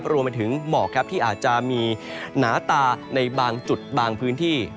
รวมไปถึงหมอกครับที่อาจจะมีหนาตาในบางจุดบางพื้นที่